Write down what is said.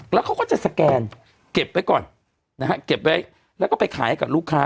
แล้วเขาก็จะสแกนเก็บไว้ก่อนนะฮะเก็บไว้แล้วก็ไปขายให้กับลูกค้า